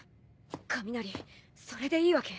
上鳴それでいいわけ？